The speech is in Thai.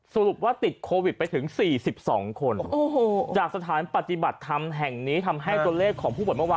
สรุปว่าติดโควิดไปถึง๔๒คนจากสถานปฏิบัติธรรมแห่งนี้ทำให้ตัวเลขของผู้ป่วยเมื่อวาน